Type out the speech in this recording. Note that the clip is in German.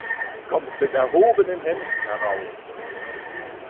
Kommt mit erhobenen Händen heraus!